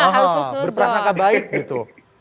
berperasaan kakak baik gitu